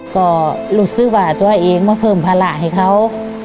ก็หลุดซึกว่าตัวเองมาเพิ่มพละให้เขา